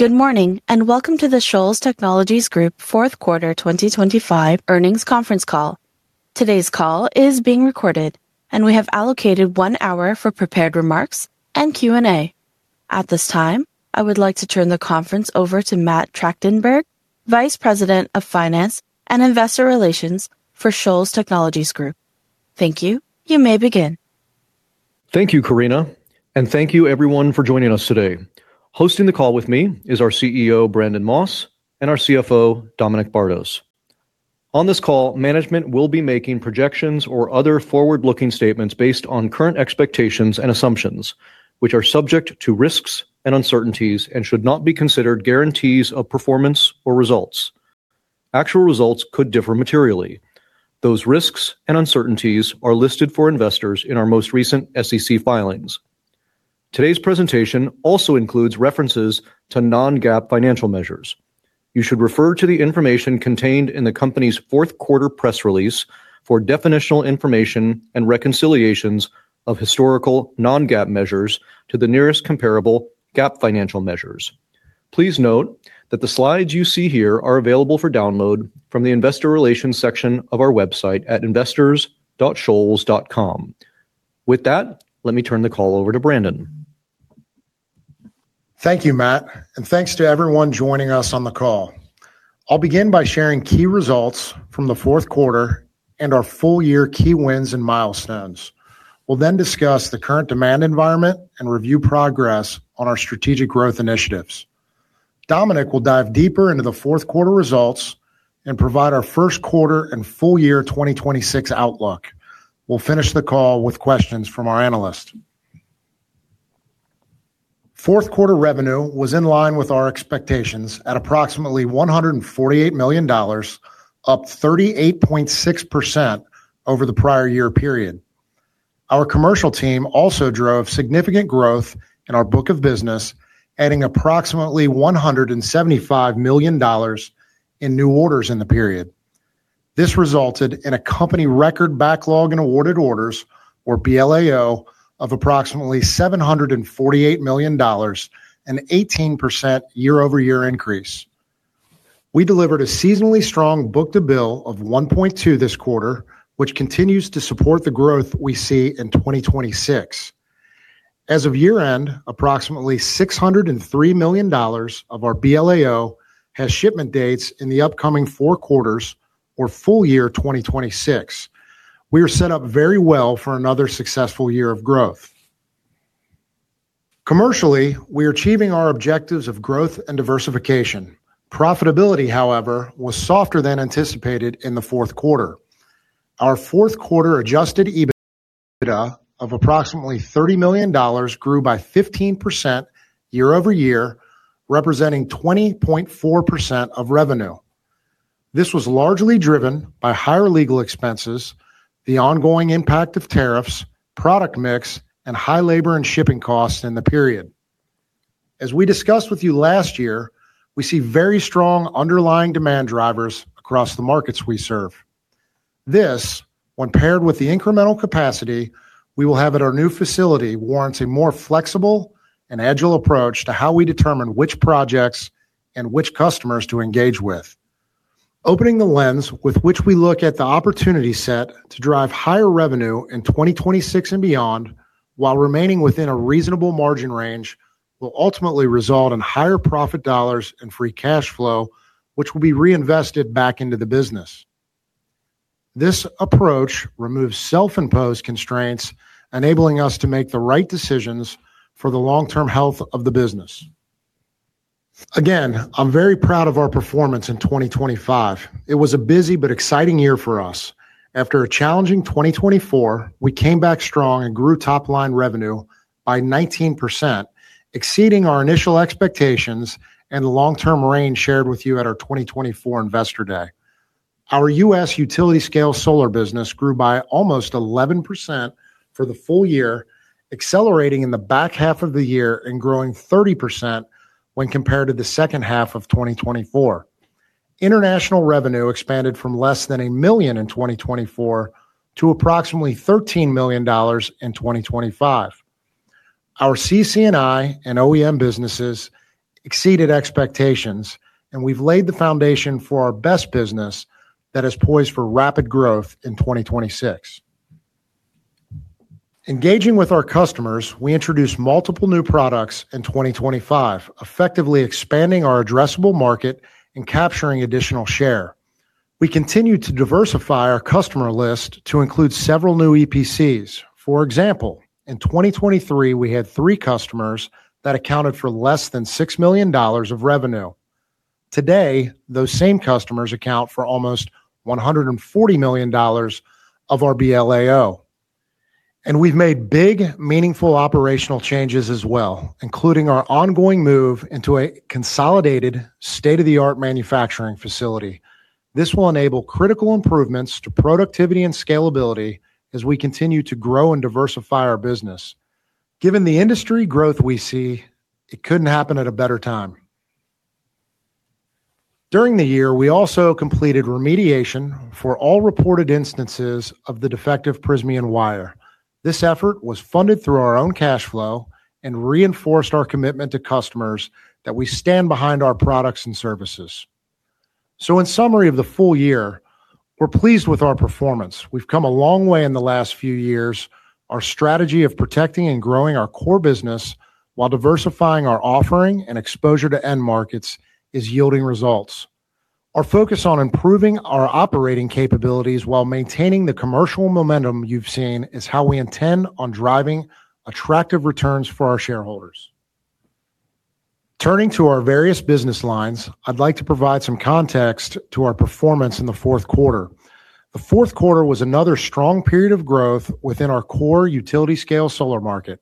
Good morning, welcome to the Shoals Technologies Group Q4 2025 Earnings Conference Call. Today's call is being recorded. We have allocated one hour for prepared remarks and Q&A. At this time, I would like to turn the conference over to Matt Tractenberg, Vice President of Finance and Investor Relations for Shoals Technologies Group. Thank you. You may begin. Thank you, Karina. Thank you everyone for joining us today. Hosting the call with me is our CEO, Brandon Moss, and our CFO, Dominic Bardos. On this call, management will be making projections or other forward-looking statements based on current expectations and assumptions, which are subject to risks and uncertainties and should not be considered guarantees of performance or results. Actual results could differ materially. Those risks and uncertainties are listed for investors in our most recent SEC filings. Today's presentation also includes references to non-GAAP financial measures. You should refer to the information contained in the company's Q4 press release for definitional information and reconciliations of historical non-GAAP measures to the nearest comparable GAAP financial measures. Please note that the slides you see here are available for download from the Investor Relations section of our website at investors.shoals.com. With that, let me turn the call over to Brandon. Thank you, Matt, and thanks to everyone joining us on the call. I'll begin by sharing key results from the Q4 and our full year key wins and milestones. We'll discuss the current demand environment and review progress on our strategic growth initiatives. Dominic will dive deeper into the Q4 results and provide our Q1 and full year 2026 outlook. We'll finish the call with questions from our analyst. Q4 revenue was in line with our expectations at approximately $148 million, up 38.6% over the prior year period. Our commercial team also drove significant growth in our book of business, adding approximately $175 million in new orders in the period. This resulted in a company record backlog in awarded orders, or BLAO, of approximately $748 million, an 18% year-over-year increase. We delivered a seasonally strong book-to-bill of 1.2 this quarter, which continues to support the growth we see in 2026. As of year-end, approximately $603 million of our BLAO has shipment dates in the upcoming four quarters or full year 2026. We are set up very well for another successful year of growth. Commercially, we are achieving our objectives of growth and diversification. Profitability, however, was softer than anticipated in the Q4. Our Q4 adjusted EBITDA of approximately $30 million grew by 15% year-over-year, representing 20.4% of revenue. This was largely driven by higher legal expenses, the ongoing impact of tariffs, product mix, and high labor and shipping costs in the period. As we discussed with you last year, we see very strong underlying demand drivers across the markets we serve. This, when paired with the incremental capacity we will have at our new facility, warrants a more flexible and agile approach to how we determine which projects and which customers to engage with. Opening the lens with which we look at the opportunity set to drive higher revenue in 2026 and beyond, while remaining within a reasonable margin range, will ultimately result in higher profit dollars and free cash flow, which will be reinvested back into the business. This approach removes self-imposed constraints, enabling us to make the right decisions for the long-term health of the business. I'm very proud of our performance in 2025. It was a busy but exciting year for us. After a challenging 2024, we came back strong and grew top-line revenue by 19%, exceeding our initial expectations and the long-term range shared with you at our 2024 Investor Day. Our U.S. utility-scale solar business grew by almost 11% for the full year, accelerating in the back half of the year and growing 30% when compared to the second half of 2024. International revenue expanded from less than $1 million in 2024 to approximately $13 million in 2025. Our CC&I and OEM businesses exceeded expectations, and we've laid the foundation for our BESS business that is poised for rapid growth in 2026. Engaging with our customers, we introduced multiple new products in 2025, effectively expanding our addressable market and capturing additional share. We continued to diversify our customer list to include several new EPCs. For example, in 2023, we had three customers that accounted for less than $6 million of revenue. Today, those same customers account for almost $140 million of our BLAO. We've made big, meaningful operational changes as well, including our ongoing move into a consolidated state-of-the-art manufacturing facility. This will enable critical improvements to productivity and scalability as we continue to grow and diversify our business. Given the industry growth we see, it couldn't happen at a better time. During the year, we also completed remediation for all reported instances of the defective Prysmian wire. This effort was funded through our own cash flow and reinforced our commitment to customers that we stand behind our products and services. In summary of the full year, we're pleased with our performance. We've come a long way in the last few years. Our strategy of protecting and growing our core business while diversifying our offering and exposure to end markets is yielding results. Our focus on improving our operating capabilities while maintaining the commercial momentum you've seen, is how we intend on driving attractive returns for our shareholders. Turning to our various business lines, I'd like to provide some context to our performance in the Q4. The Q4 was another strong period of growth within our core utility-scale solar market.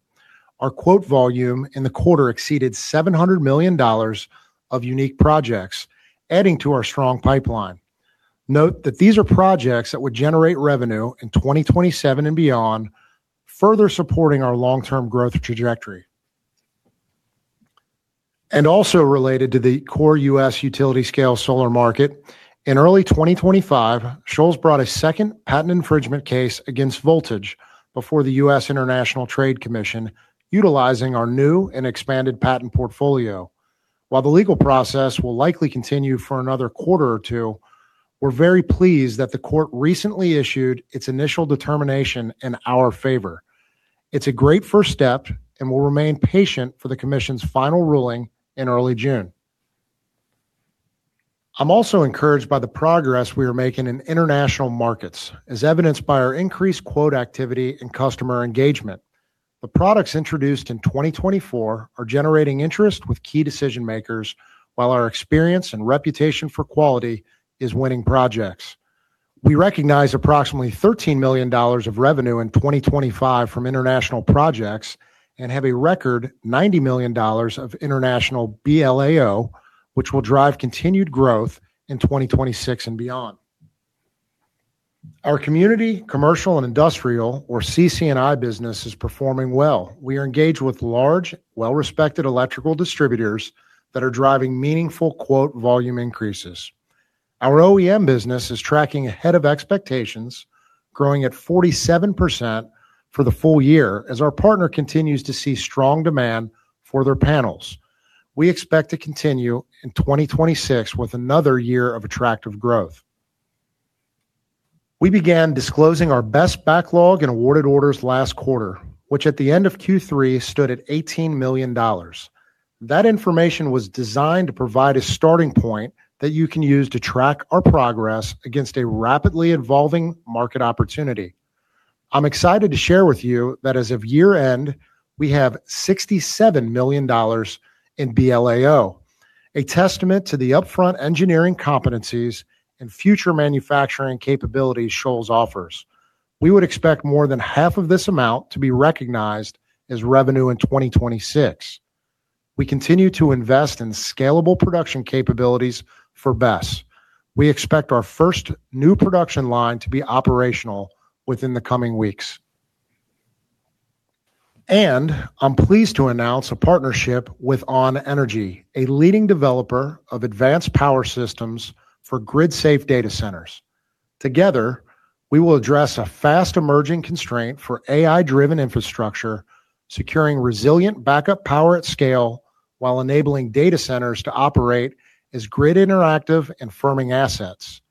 Our quote volume in the quarter exceeded $700 million of unique projects, adding to our strong pipeline. Note that these are projects that would generate revenue in 2027 and beyond, further supporting our long-term growth trajectory. Also related to the core U.S. utility-scale solar market, in early 2025, Shoals brought a second patent infringement case against Voltage before the U.S. International Trade Commission, utilizing our new and expanded patent portfolio. While the legal process will likely continue for another quarter or two, we're very pleased that the court recently issued its initial determination in our favor. It's a great first step, and we'll remain patient for the Commission's final ruling in early June. I'm also encouraged by the progress we are making in international markets, as evidenced by our increased quote activity and customer engagement. The products introduced in 2024 are generating interest with key decision makers, while our experience and reputation for quality is winning projects. We recognize approximately $13 million of revenue in 2025 from international projects and have a record $90 million of international BLAO, which will drive continued growth in 2026 and beyond. Our community, commercial, and industrial, or CC&I business, is performing well. We are engaged with large, well-respected electrical distributors that are driving meaningful quote volume increases. Our OEM business is tracking ahead of expectations, growing at 47% for the full year as our partner continues to see strong demand for their panels. We expect to continue in 2026 with another year of attractive growth. We began disclosing our BESS backlog and awarded orders last quarter, which at the end of Q3 stood at $18 million. That information was designed to provide a starting point that you can use to track our progress against a rapidly evolving market opportunity. I'm excited to share with you that as of year-end, we have $67 million in BLAO, a testament to the upfront engineering competencies and future manufacturing capabilities Shoals offers. We would expect more than half of this amount to be recognized as revenue in 2026. We continue to invest in scalable production capabilities for BESS. We expect our first new production line to be operational within the coming weeks. I'm pleased to announce a partnership with ON.Energy, a leading developer of advanced power systems for grid-safe data centers. Together, we will address a fast-emerging constraint for AI-driven infrastructure, securing resilient backup power at scale, while enabling data centers to operate as grid-interactive and firming assets.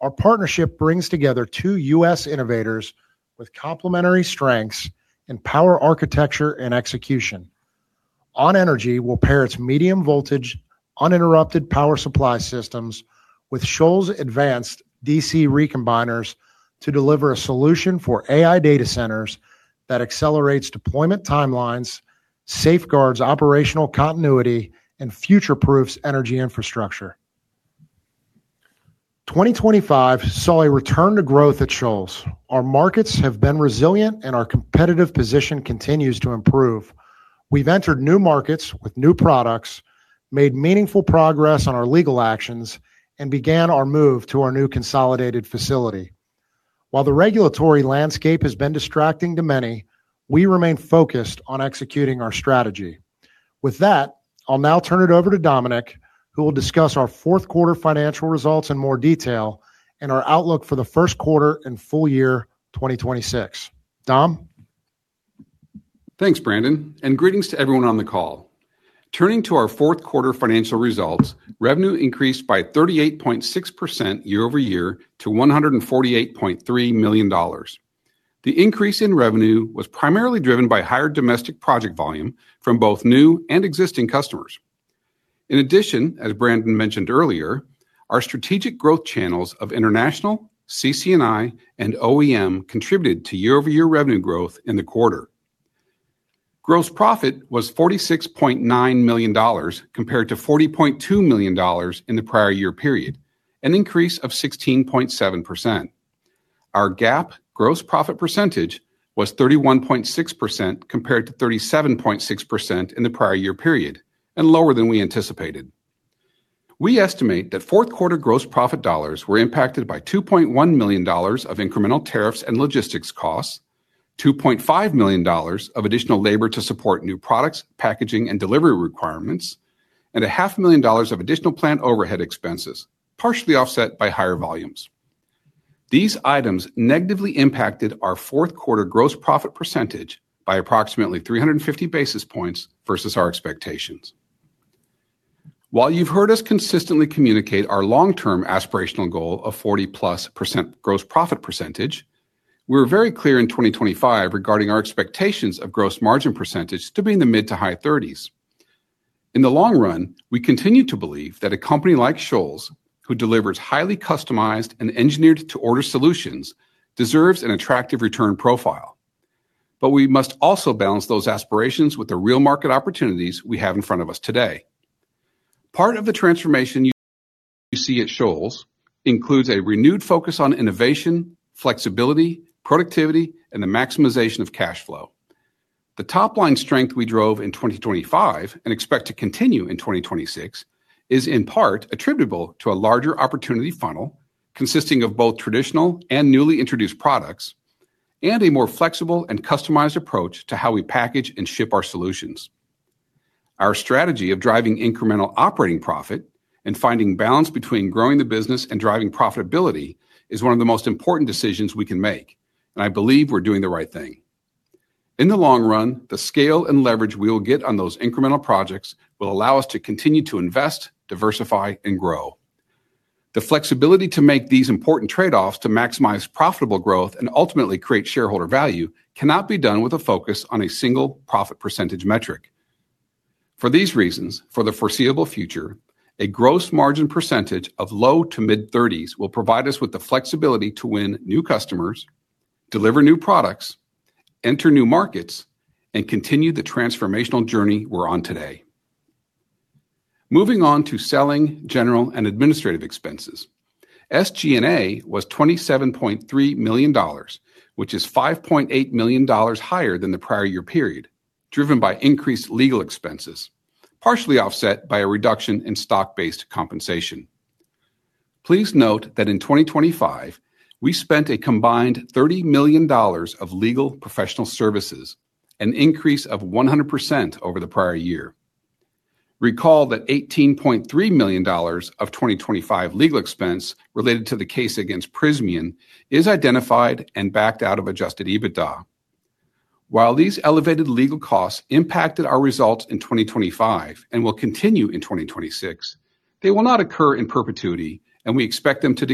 Our partnership brings together two U.S. innovators with complementary strengths in power architecture and execution. ON.Energy will pair its medium voltage uninterruptible power supply systems with Shoals' advanced DC Recombiners to deliver a solution for AI data centers that accelerates deployment timelines, safeguards operational continuity, and future-proofs energy infrastructure. 2025 saw a return to growth at Shoals. Our markets have been resilient, and our competitive position continues to improve. We've entered new markets with new products, made meaningful progress on our legal actions, and began our move to our new consolidated facility. While the regulatory landscape has been distracting to many, we remain focused on executing our strategy. With that, I'll now turn it over to Dominic, who will discuss our Q4 financial results in more detail and our outlook for the Q1 and full year 2026. Dominic? Thanks, Brandon. Greetings to everyone on the call. Turning to our Q4 financial results, revenue increased by 38.6% year-over-year to $148.3 million. The increase in revenue was primarily driven by higher domestic project volume from both new and existing customers. In addition, as Brandon mentioned earlier, our strategic growth channels of international, CC&I, and OEM contributed to year-over-year revenue growth in the quarter. Gross profit was $46.9 million, compared to $40.2 million in the prior year period, an increase of 16.7%. Our GAAP gross profit percentage was 31.6%, compared to 37.6% in the prior year period, and lower than we anticipated. We estimate that Q4 gross profit dollars were impacted by $2.1 million of incremental tariffs and logistics costs, $2.5 million of additional labor to support new products, packaging, and delivery requirements, and a half million dollars of additional plant overhead expenses, partially offset by higher volumes. These items negatively impacted our Q4 gross profit % by approximately 350 basis points versus our expectations. While you've heard us consistently communicate our long-term aspirational goal of 40+% gross profit %, we're very clear in 2025 regarding our expectations of gross margin % to be in the mid-to-high 30s. In the long run, we continue to believe that a company like Shoals, that delivers highly customized and engineered-to-order solutions, deserves an attractive return profile. We must also balance those aspirations with the real market opportunities we have in front of us today. Part of the transformation you see at Shoals includes a renewed focus on innovation, flexibility, productivity, and the maximization of cash flow. The top-line strength we drove in 2025, and expect to continue in 2026, is in part attributable to a larger opportunity funnel, consisting of both traditional and newly introduced products, and a more flexible and customized approach to how we package and ship our solutions. Our strategy of driving incremental operating profit and finding balance between growing the business and driving profitability is one of the most important decisions we can make, and I believe we're doing the right thing. In the long run, the scale and leverage we will get on those incremental projects will allow us to continue to invest, diversify, and grow. The flexibility to make these important trade-offs to maximize profitable growth and ultimately create shareholder value, cannot be done with a focus on a single profit percentage metric. For these reasons, for the foreseeable future, a gross margin % of low to mid-30s will provide us with the flexibility to win new customers, deliver new products, enter new markets, and continue the transformational journey we're on today. Moving on to selling, general, and administrative expenses. SG&A was $27.3 million, which is $5.8 million higher than the prior year period, driven by increased legal expenses, partially offset by a reduction in stock-based compensation. Please note that in 2025, we spent a combined $30 million of legal professional services, an increase of 100% over the prior year. Recall that $18.3 million of 2025 legal expense related to the case against Prysmian is identified and backed out of adjusted EBITDA. While these elevated legal costs impacted our results in 2025 and will continue in 2026, they will not occur in perpetuity, and we expect them to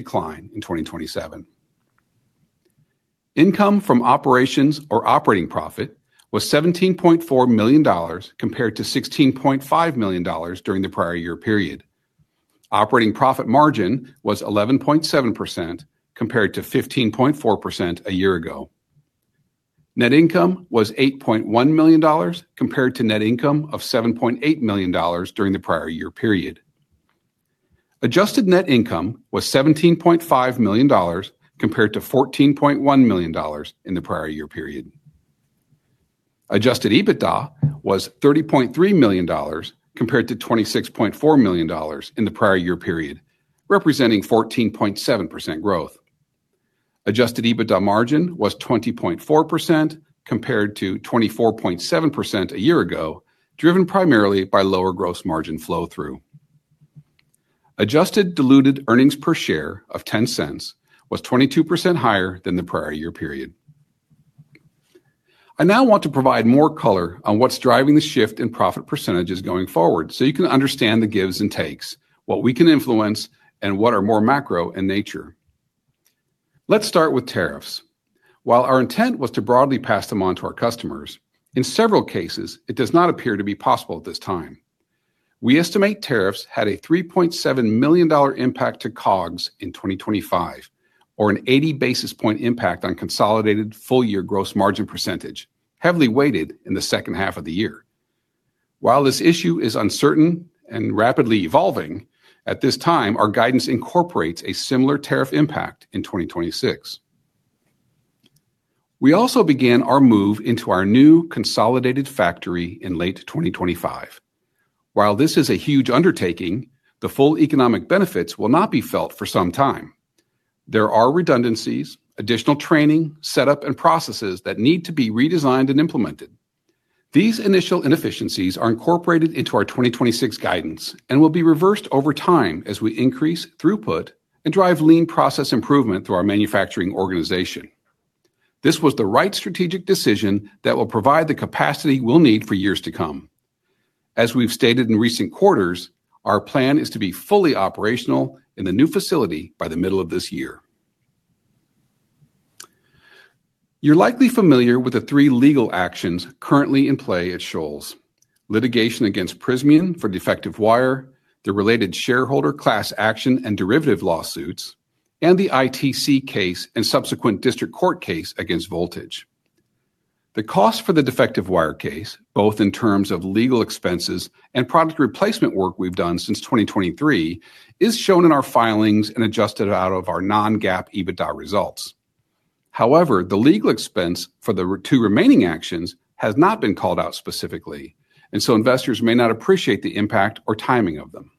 decline in 2027. Income from operations or operating profit was $17.4 million, compared to $16.5 million during the prior year period. Operating profit margin was 11.7%, compared to 15.4% a year ago. Net income was $8.1 million, compared to net income of $7.8 million during the prior year period. Adjusted net income was $17.5 million, compared to $14.1 million in the prior year period. Adjusted EBITDA was $30.3 million, compared to $26.4 million in the prior year period, representing 14.7% growth. Adjusted EBITDA margin was 20.4%, compared to 24.7% a year ago, driven primarily by lower gross margin flow-through. Adjusted diluted earnings per share of $0.10 was 22% higher than the prior year period. I now want to provide more color on what's driving the shift in profit percentages going forward, so you can understand the gives and takes, what we can influence, and what are more macro in nature. Let's start with tariffs. While our intent was to broadly pass them on to our customers, in several cases, it does not appear to be possible at this time. We estimate tariffs had a $3.7 million impact to COGS in 2025, or an 80 basis point impact on consolidated full-year gross margin %, heavily weighted in the second half of the year. While this issue is uncertain and rapidly evolving, at this time, our guidance incorporates a similar tariff impact in 2026. We also began our move into our new consolidated factory in late 2025. While this is a huge undertaking, the full economic benefits will not be felt for some time. There are redundancies, additional training, setup, and processes that need to be redesigned and implemented. These initial inefficiencies are incorporated into our 2026 guidance and will be reversed over time as we increase throughput and drive lean process improvement through our manufacturing organization. This was the right strategic decision that will provide the capacity we'll need for years to come. As we've stated in recent quarters, our plan is to be fully operational in the new facility by the middle of this year. You're likely familiar with the three legal actions currently in play at Shoals: litigation against Prysmian for defective wire, the related shareholder class action and derivative lawsuits, and the ITC case and subsequent district court case against Voltage. The cost for the defective wire case, both in terms of legal expenses and product replacement work we've done since 2023, is shown in our filings and adjusted out of our non-GAAP EBITDA results. However, the legal expense for the two remaining actions has not been called out specifically. Investors may not appreciate the impact or timing of them.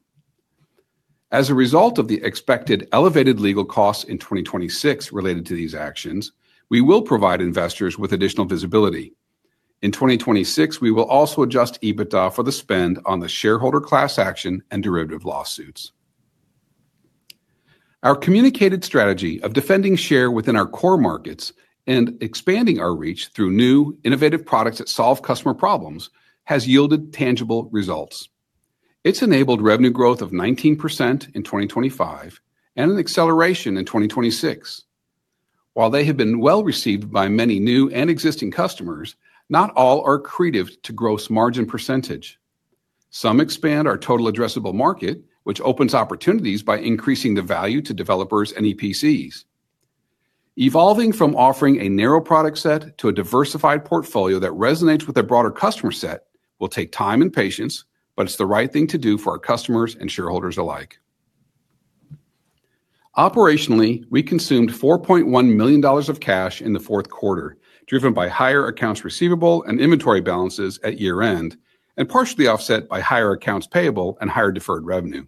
As a result of the expected elevated legal costs in 2026 related to these actions, we will provide investors with additional visibility. In 2026, we will also adjust EBITDA for the spend on the shareholder class action and derivative lawsuits. Our communicated strategy of defending share within our core markets and expanding our reach through new, innovative products that solve customer problems, has yielded tangible results. It's enabled revenue growth of 19% in 2025, and an acceleration in 2026. While they have been well-received by many new and existing customers, not all are accretive to gross margin percentage. Some expand our total addressable market, which opens opportunities by increasing the value to developers and EPCs. Evolving from offering a narrow product set to a diversified portfolio that resonates with a broader customer set will take time and patience, but it's the right thing to do for our customers and shareholders alike. Operationally, we consumed $4.1 million of cash in the Q4, driven by higher accounts receivable and inventory balances at year-end, partially offset by higher accounts payable and higher deferred revenue.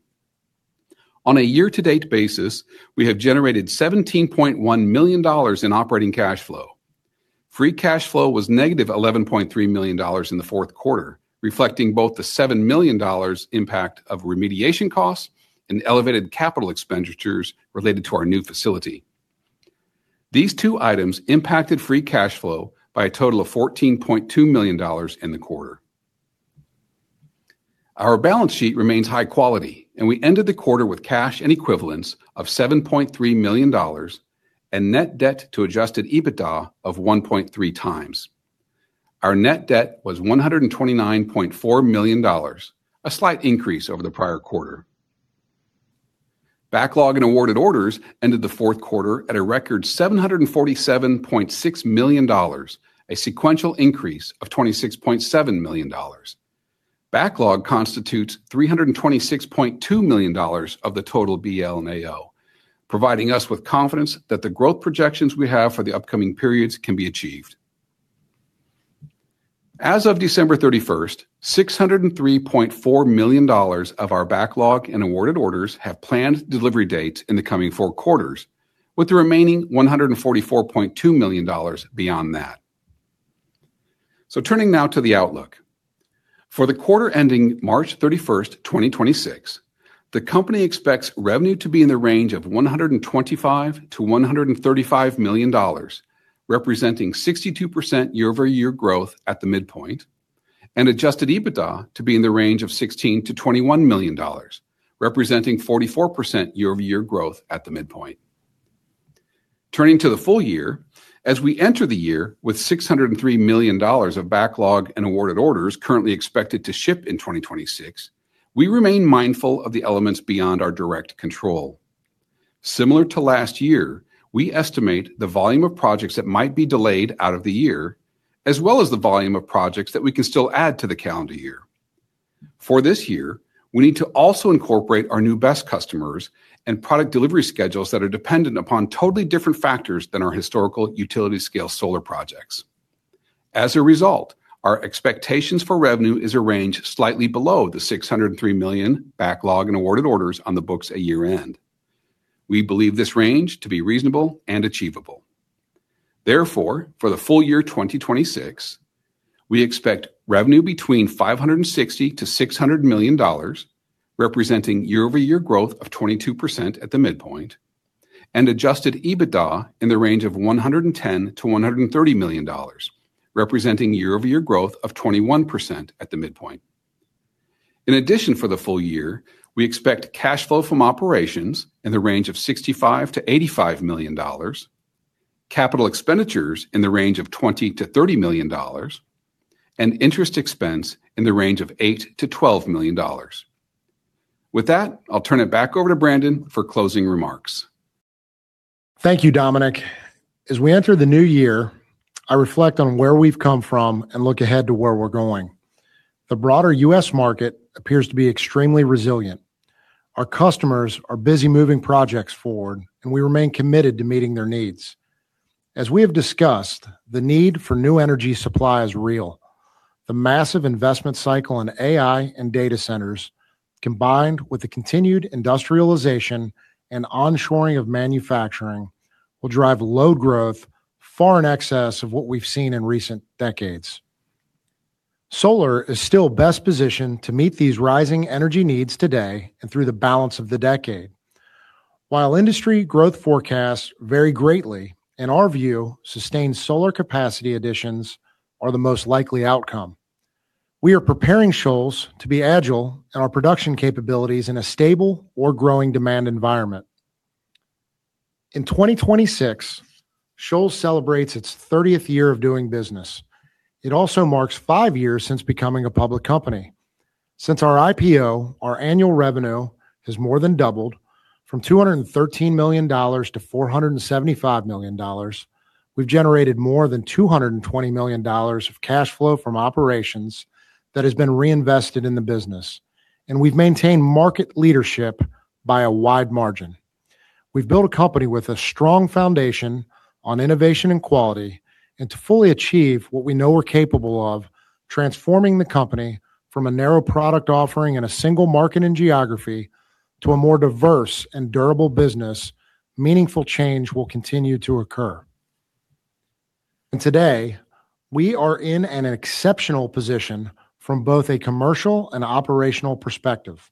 On a year-to-date basis, we have generated $17.1 million in operating cash flow. Free cash flow was negative $11.3 million in the Q4, reflecting both the $7 million impact of remediation costs and elevated capital expenditures related to our new facility. These two items impacted free cash flow by a total of $14.2 million in the quarter. Our balance sheet remains high quality. We ended the quarter with cash and equivalents of $7.3 million and net debt to adjusted EBITDA of 1.3 times. Our net debt was $129.4 million, a slight increase over the prior quarter. Backlog and awarded orders ended the Q4 at a record $747.6 million, a sequential increase of $26.7 million. Backlog constitutes $326.2 million of the total BL and AO, providing us with confidence that the growth projections we have for the upcoming periods can be achieved. As of December 31st, $603.4 million of our backlog and awarded orders have planned delivery dates in the coming four quarters, with the remaining $144.2 million beyond that. Turning now to the outlook. For the quarter ending March 31st, 2026, the company expects revenue to be in the range of $125 million-$135 million, representing 62% year-over-year growth at the midpoint, and adjusted EBITDA to be in the range of $16 million-$21 million, representing 44% year-over-year growth at the midpoint. Turning to the full year, as we enter the year with $603 million of backlog and awarded orders currently expected to ship in 2026, we remain mindful of the elements beyond our direct control. Similar to last year, we estimate the volume of projects that might be delayed out of the year, as well as the volume of projects that we can still add to the calendar year. For this year, we need to also incorporate our new BESS customers and product delivery schedules that are dependent upon totally different factors than our historical utility-scale solar projects. As a result, our expectations for revenue are a range slightly below the $603 million backlog and awarded orders on the books at year-end. We believe this range to be reasonable and achievable. Therefore, for the full year 2026, we expect revenue between $560 million-$600 million, representing year-over-year growth of 22% at the midpoint, and adjusted EBITDA in the range of $110 million-$130 million, representing year-over-year growth of 21% at the midpoint. For the full year, we expect cash flow from operations in the range of $65 million-$85 million, CapEx in the range of $20 million-$30 million, and interest expense in the range of $8 million-$12 million. With that, I'll turn it back over to Brandon for closing remarks. Thank you, Dominic. As we enter the new year, I reflect on where we've come from and look ahead to where we're going. The broader U.S. market appears to be extremely resilient. Our customers are busy moving projects forward, and we remain committed to meeting their needs. As we have discussed, the need for new energy supply is real. The massive investment cycle in AI and data centers, combined with the continued industrialization and onshoring of manufacturing, will drive load growth far in excess of what we've seen in recent decades. Solar is still best positioned to meet these rising energy needs today and through the balance of the decade. While industry growth forecasts vary greatly, in our view, sustained solar capacity additions are the most likely outcome. We are preparing Shoals to be agile in our production capabilities in a stable or growing demand environment. In 2026, Shoals celebrates its 30th year of doing business. It also marks 5 years since becoming a public company. Since our IPO, our annual revenue has more than doubled from $213 million to $475 million. We've generated more than $220 million of cash flow from operations that has been reinvested in the business, and we've maintained market leadership by a wide margin. We've built a company with a strong foundation on innovation and quality, and to fully achieve what we know we're capable of, transforming the company from a narrow product offering in a single market and geography to a more diverse and durable business, meaningful change will continue to occur. Today, we are in an exceptional position from both a commercial and operational perspective.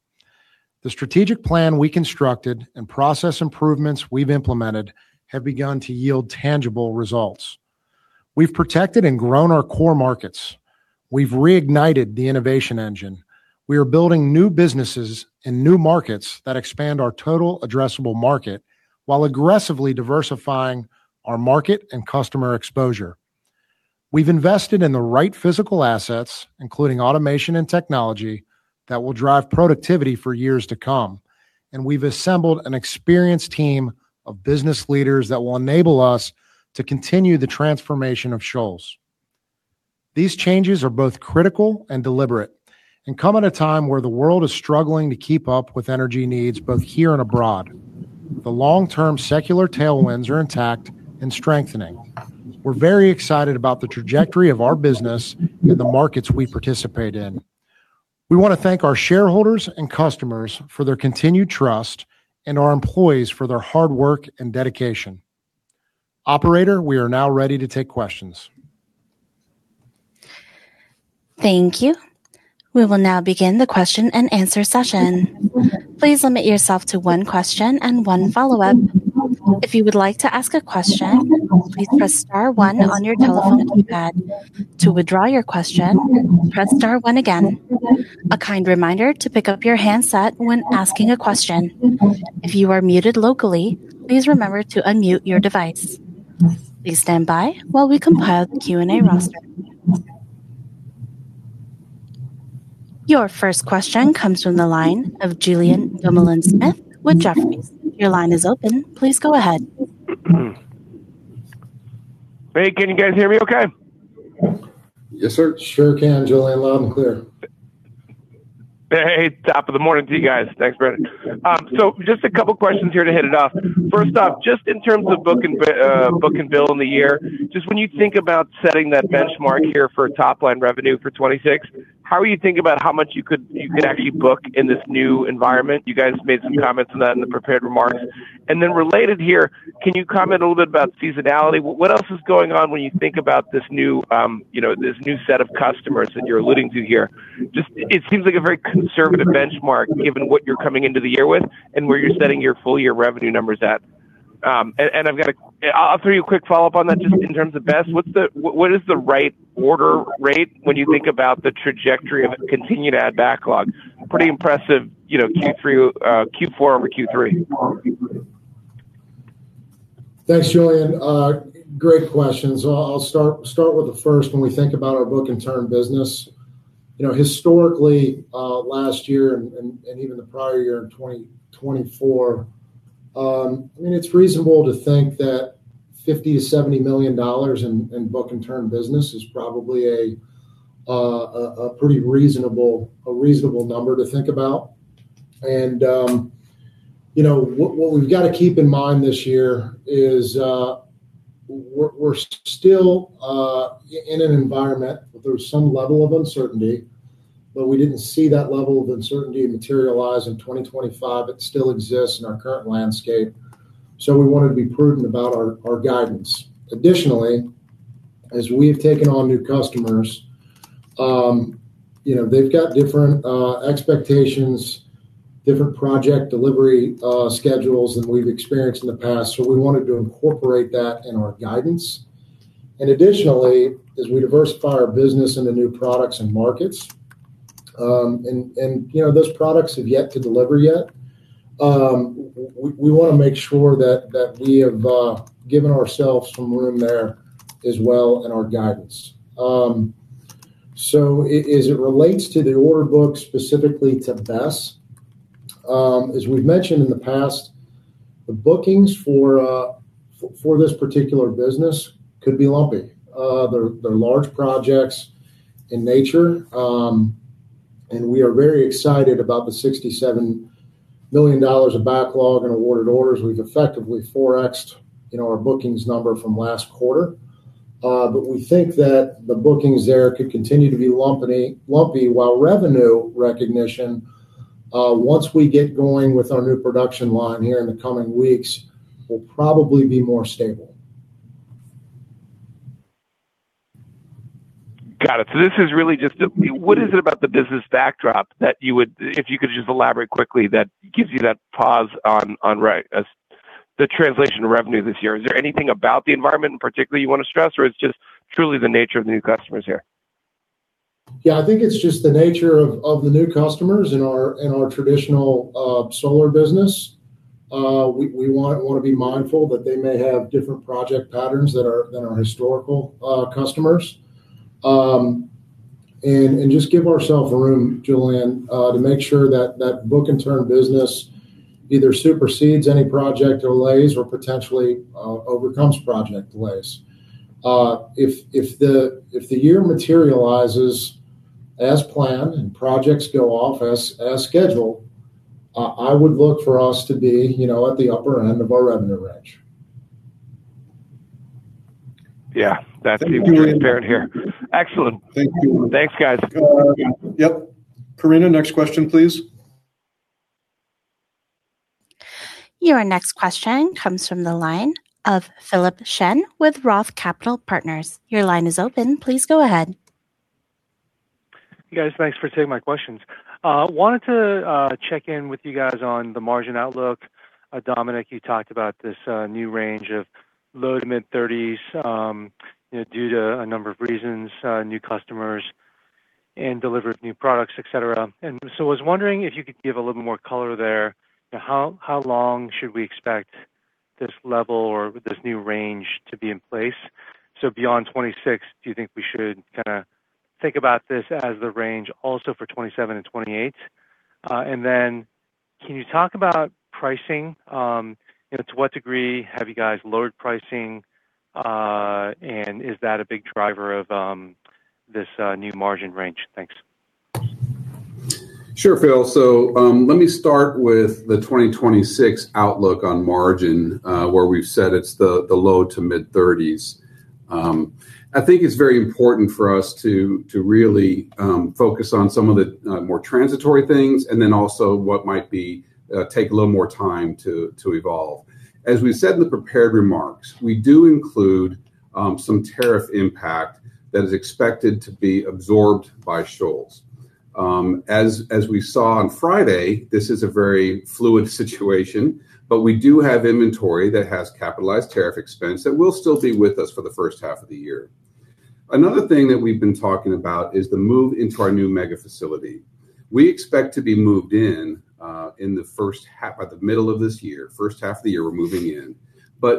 The strategic plan we constructed and process improvements we've implemented have begun to yield tangible results. We've protected and grown our core markets. We've reignited the innovation engine. We are building new businesses in new markets that expand our total addressable market, while aggressively diversifying our market and customer exposure. We've invested in the right physical assets, including automation and technology, that will drive productivity for years to come, and we've assembled an experienced team of business leaders that will enable us to continue the transformation of Shoals. These changes are both critical and deliberate, and come at a time where the world is struggling to keep up with energy needs, both here and abroad. The long-term secular tailwinds are intact and strengthening. We're very excited about the trajectory of our business in the markets we participate in. We want to thank our shareholders and customers for their continued trust and our employees for their hard work and dedication. Operator, we are now ready to take questions. Thank you. We will now begin the question-and-answer session. Please limit yourself to one question and one follow-up. If you would like to ask a question, please press star one on your telephone keypad. To withdraw your question, press star one again. A kind reminder to pick up your handset when asking a question. If you are muted locally, please remember to unmute your device. Please stand by while we compile the Q&A roster. Your first question comes from the line of Julien Dumoulin-Smith with Jefferies. Your line is open. Please go ahead. Hey, can you guys hear me okay? Yes, sir. Sure can, Julien. Loud and clear. Hey, top of the morning to you guys. Thanks, Matt. Just a couple questions here to hit it off. First off, just in terms of book and bill in the year, just when you think about setting that benchmark here for top-line revenue for 2026, how are you thinking about how much You could actually book in this new environment? You guys made some comments on that in the prepared remarks. Related here, can you comment a little bit about seasonality? What else is going on when you think about this new set of customers that you're alluding to here? Just, it seems like a very conservative benchmark, given what you're coming into the year with and where you're setting your full year revenue numbers at. I've got. I'll throw you a quick follow-up on that just in terms of BESS. What is the right order rate when you think about the trajectory of a continued ad backlog? Pretty impressive Q3, Q4 over Q3. Thanks, Julian. Great questions. I'll start with the first. When we think about our book-and-turn business historically, last year and even the prior year in 2024, I mean, it's reasonable to think that $50 million-$70 million in book-and-turn business is probably a pretty reasonable number to think about. What we've got to keep in mind this year is we're still in an environment where there's some level of uncertainty, but we didn't see that level of uncertainty materialize in 2025. It still exists in our current landscape, we wanted to be prudent about our guidance. Additionally, as we've taken on new customers they've got different expectations, different project delivery schedules than we've experienced in the past, so we wanted to incorporate that in our guidance. Additionally, as we diversify our business into new products and markets, and, those products have yet to deliver yet, we want to make sure that we have given ourselves some room there as well in our guidance. As it relates to the order book, specifically to BESS, as we've mentioned in the past, the bookings for this particular business could be lumpy. They're large projects in nature, and we are very excited about the $67 million of backlog and awarded orders. We've effectively quadrupled our bookings number from last quarter. We think that the bookings there could continue to be lumpy, while revenue recognition, once we get going with our new production line here in the coming weeks, will probably be more stable. Got it. This is really just what is it about the business backdrop that gives you pause just elaborate quickly, that gives you that pause on right, as the translation to revenue this year? Is there anything about the environment in particular you want to stress, or it's just truly the nature of the new customers here? I think it's just the nature of the new customers in our traditional solar business. We want to be mindful that they may have different project patterns than our historical customers. And just give ourselves room, Julian, to make sure that that book-and-turn business either supersedes any project delays or potentially overcomes project delays. If the year materializes as planned and projects go off as scheduled, I would look for us to be at the upper end of our revenue range. Yeah, that's pretty clear here. Excellent. Thank you. Thanks, guys. Yes, next question, please. Your next question comes from the line of Philip Shen with Roth Capital Partners. Your line is open. Please go ahead. You guys, thanks for taking my questions. Wanted to check in with you guys on the margin outlook. Dominic, you talked about this new range of low to mid-thirties due to a number of reasons, new customers and delivered new products, et cetera. I was wondering if you could give a little more color there. How long should we expect this level or this new range to be in place? Beyond 2026, do you think we should kinda think about this as the range also for 2027 and 2028? Can you talk about pricing?, to what degree have you guys lowered pricing, and is that a big driver of this new margin range? Thanks. Sure, Philip. Let me start with the 2026 outlook on margin, where we've said it's the low to mid-thirties. I think it's very important for us to really focus on some of the more transitory things and then also what might take a little more time to evolve. As we said in the prepared remarks, we do include some tariff impact that is expected to be absorbed by Shoals. As we saw on Friday, this is a very fluid situation, but we do have inventory that has capitalized tariff expense that will still be with us for the first half of the year. Another thing that we've been talking about is the move into our new mega facility. We expect to be moved in by the middle of this year. First half of the year, we're moving in.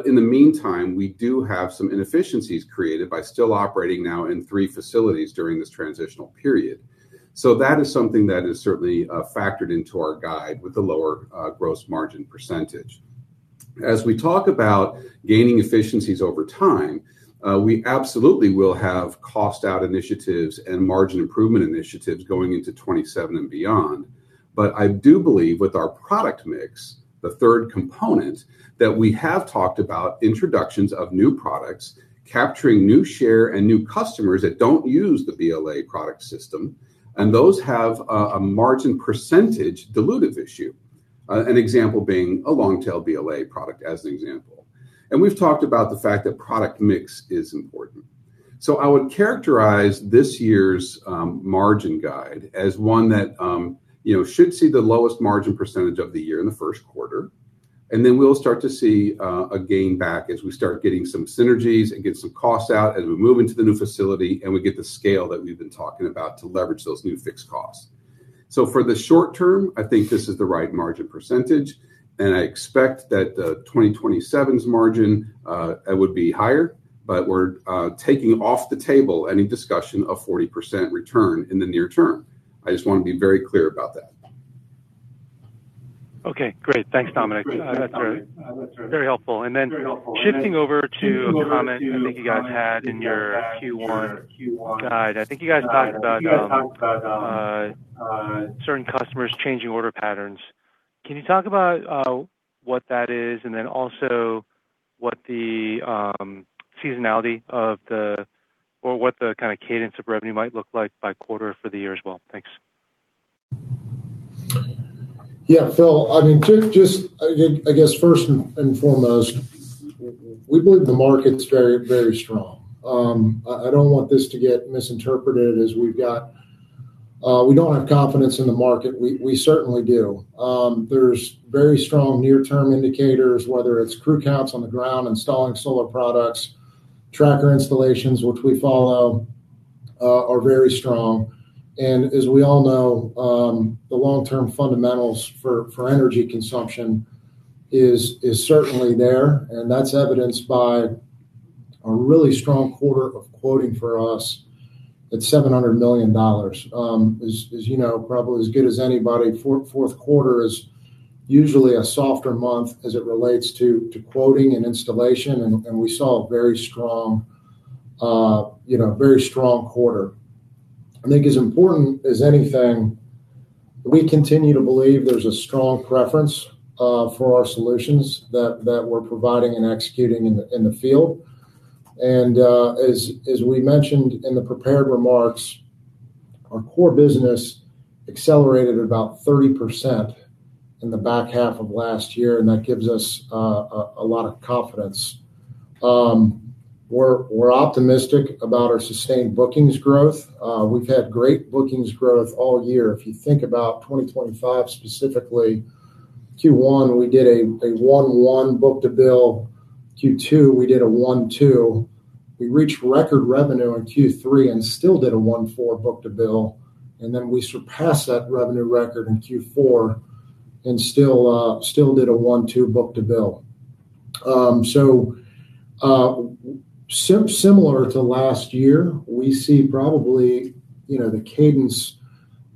In the meantime, we do have some inefficiencies created by still operating now in 3 facilities during this transitional period. That is something that is certainly factored into our guide with the lower gross margin percentage. As we talk about gaining efficiencies over time, we absolutely will have cost out initiatives and margin improvement initiatives going into 2027 and beyond. I do believe with our product mix, the third component, that we have talked about introductions of new products, capturing new share and new customers that don't use the BLA product system, and those have a margin percentage dilutive issue. An example being a Long Tail BLA product, as an example. We've talked about the fact that product mix is important. I would characterize this year's margin guide as one that should see the lowest margin % of the year in the Q1. Then we'll start to see a gain back as we start getting some synergies and get some costs out as we move into the new facility and we get the scale that we've been talking about to leverage those new fixed costs. For the short term, I think this is the right margin %, and I expect that 2027 margins would be higher, but we're taking off the table any discussion of 40% return in the near term. I just want to be very clear about that. Okay, great. Thanks, Dominic. That's very, very helpful. Shifting over to a comment I think you guys had in your Q1 guide. I think you guys talked about certain customers changing order patterns. Can you talk about what that is, and then alsowhat the seasonality or the kind of cadence of revenue might look like by quarter for the year as well? Thanks. Yeah, Philip, I mean, to just, I guess, first and foremost, we believe the market's very, very strong. I don't want this to get misinterpreted as we've got, we don't have confidence in the market. We, we certainly do. There's very strong near-term indicators, whether it's crew counts on the ground, installing solar products, tracker installations, which we follow, are very strong. As we all know, the long-term fundamentals for energy consumption is certainly there, and that's evidenced by a really strong quarter of quoting for us at $700 million. As, as, probably as good as anybody, Q4 is usually a softer month as it relates to quoting and installation, and we saw a very strong quarter. I think as important as anything, we continue to believe there's a strong preference for our solutions that we're providing and executing in the field. As we mentioned in the prepared remarks, our core business accelerated about 30% in the back half of last year, and that gives us a lot of confidence. We're optimistic about our sustained bookings growth. We've had great bookings growth all year. If you think about 2025, specifically, Q1, we did a 1.1 book-to-bill. Q2, we did a 1.2. We reached record revenue in Q3 and still did a 1.4 book-to-bill. We surpassed that revenue record in Q4 and still did a 1.2 book-to-bill. Similar to last year, we see probably the cadence.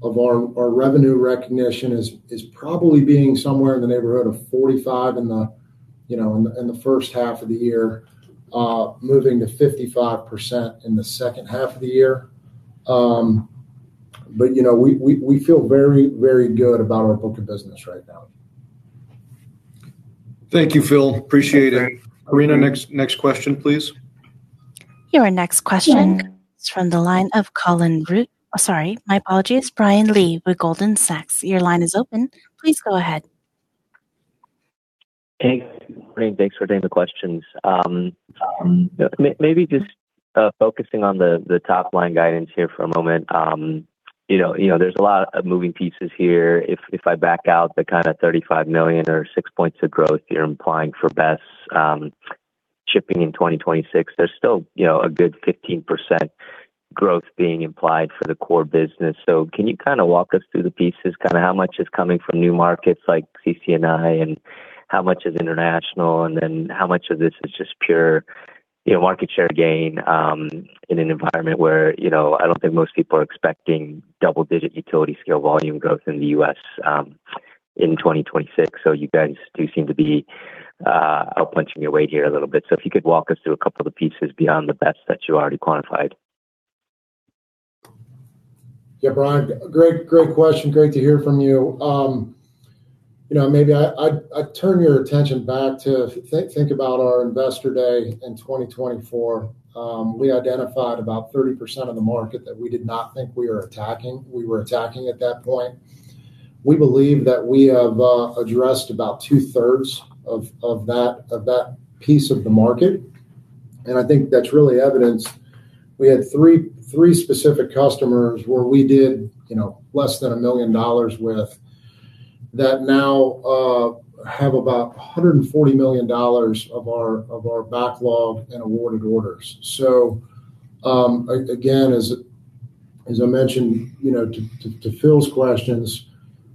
of our revenue recognition is probably being somewhere in the neighborhood of 45 in the first half of the year, moving to 55% in the second half of the year. we feel very good about our book of business right now. Thank you, Philip. Appreciate it. Karina, next question, please. Your next question is from the line of Colin Rusch. Sorry, my apologies, Brian Lee with Goldman Sachs. Your line is open. Please go ahead. Hey, thanks for taking the questions. Maybe just focusing on the top-line guidance here for a moment. there's a lot of moving pieces here. If I back out the kinda $35 million or 6 points of growth you're implying for BESS shipping in 2026, there's still a good 15% growth being implied for the core business. Can you kinda walk us through the pieces, kinda how much is coming from new markets like CC&I, and how much is international, and then how much of this is just pure market share gain, in an environment where I don't think most people are expecting double-digit utility scale volume growth in the U.S. in 2026? You guys do seem to be out punching your weight here a little bit. If you could walk us through a couple of the pieces beyond the BESS that you already quantified. Yeah, Brian, great question. Great to hear from , Maybe I'd turn your attention back to think about our Investor Day in 2024. We identified about 30% of the market that we did not think we were attacking at that point. We believe that we have addressed about two-thirds of that piece of the market, and I think that's really evidenced. We had three specific customers where we did less than $1 million with, that now have about $140 million of our backlog and awarded orders. Again, as I mentioned to Phil's questions,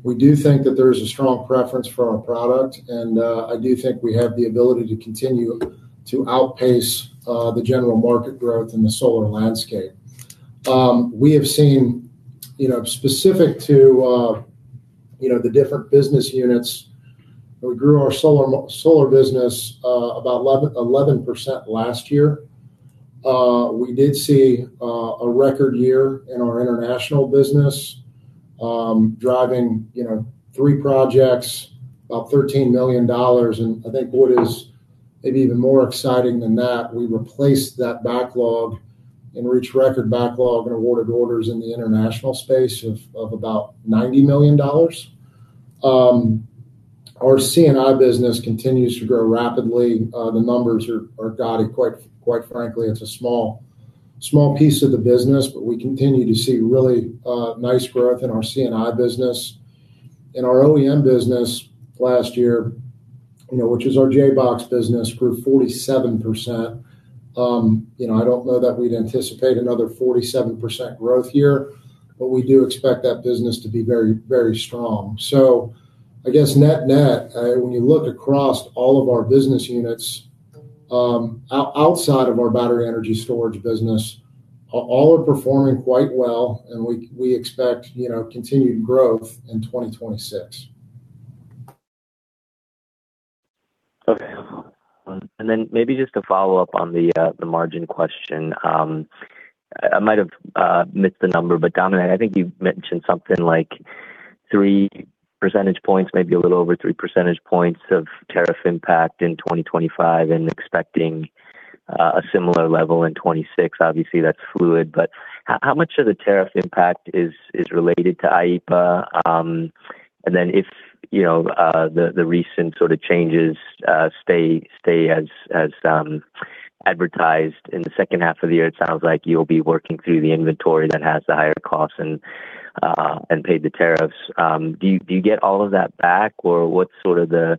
we do think that there is a strong preference for our product, and I do think we have the ability to continue to outpace the general market growth in the solar landscape. We have seen specific to the different business units. We grew our solar business about 11% last year. We did see a record year in our international business, driving 3 projects, about $13 million. I think what is maybe even more exciting than that, we replaced that backlog and reached record backlog and awarded orders in the international space of about $90 million. Our C&I business continues to grow rapidly. The numbers are gaudy, quite frankly, it's a small piece of the business, but we continue to see really nice growth in our C&I business. In our OEM business last year which is our JBox business, grew 47%. I don't know that we'd anticipate another 47% growth here, but we do expect that business to be very, very strong. I guess net-net, when you look across all of our business units, outside of our battery energy storage business, all are performing quite well, and we expect continued growth in 2026. Okay. Maybe just to follow up on the margin question, I might have missed the number, but Dominic, I think you've mentioned something like 3 percentage points, maybe a little over 3 percentage points of tariff impact in 2025 and expecting a similar level in 2026. Obviously, that's fluid, but how much of the tariff impact is related to IEEPA? if the recent sort of changes stay as advertised in the second half of the year, it sounds like you'll be working through the inventory that has the higher costs and paid the tariffs. Do you get all of that back, or what's sort of the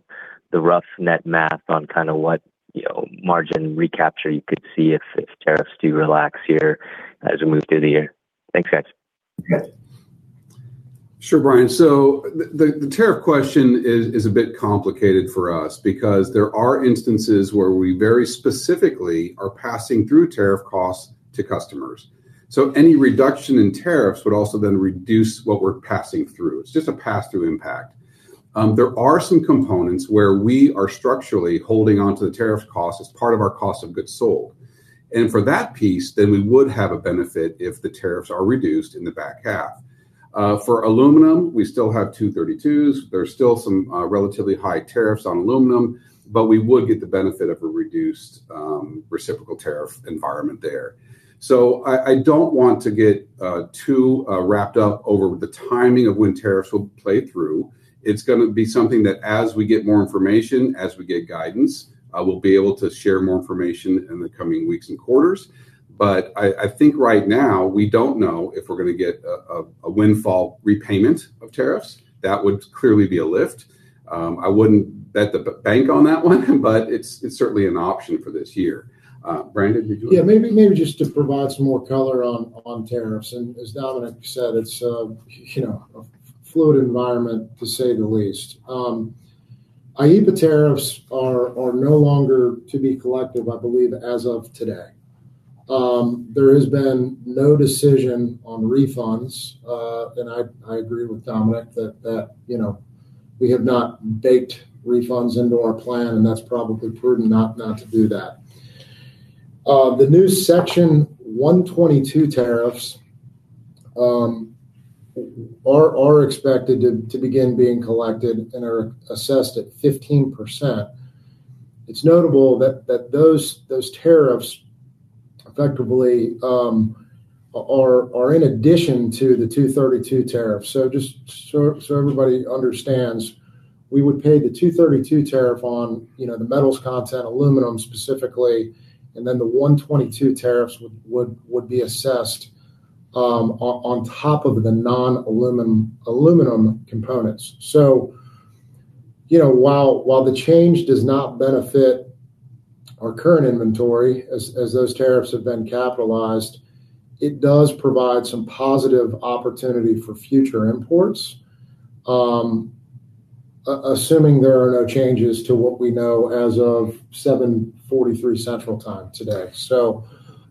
rough net math on kind of what margin recapture you could see if tariffs do relax here as we move through the year? Thanks, guys. Yes. Sure, Brian. The tariff question is a bit complicated for us because there are instances where we very specifically are passing through tariff costs to customers. Any reduction in tariffs would also then reduce what we're passing through. It's just a pass-through impact. There are some components where we are structurally holding onto the tariff cost as part of our cost of goods sold. For that piece, then we would have a benefit if the tariffs are reduced in the back half. For aluminum, we still have Section 232s. There are still some relatively high tariffs on aluminum, but we would get the benefit of a reduced reciprocal tariff environment there. I don't want to get too wrapped up over the timing of when tariffs will play through. It's going to be something that as we get more information, as we get guidance, I will be able to share more information in the coming weeks and quarters. I think right now, we don't know if we're going to get a windfall repayment of tariffs. That would clearly be a lift. I wouldn't bet the bank on that one, but it's certainly an option for this year. Brandon, would you. Yeah, maybe just to provide some more color on tariffs. As Dominic said, it's fluid environment, to say the least. IEEPA tariffs are no longer to be collected, I believe, as of today. There has been no decision on refunds, and I agree with Dominic that we have not baked refunds into our plan, and that's probably prudent not to do that. The new Section 122 tariffs are expected to begin being collected and are assessed at 15%. It's notable that those tariffs effectively are in addition to the 232 tariffs. Just so everybody understands, we would pay the 232 tariff on the metals content, aluminum specifically, and then the 122 tariffs would be assessed on top of the aluminum components. while the change does not benefit our current inventory as those tariffs have been capitalized, it does provide some positive opportunity for future imports. Assuming there are no changes to what we know as of 7:43 Central Time today.,